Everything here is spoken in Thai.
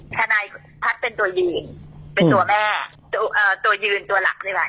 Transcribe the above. ทนายพัฒน์เป็นตัวยืนเป็นตัวแม่ตัวยืนตัวหลักดีกว่า